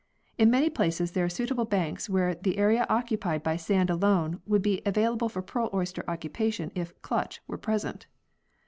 In many places there are suitable banks where the area occupied by sand alone would be available for pearl oyster occupation if " culch " were present.